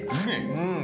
うん！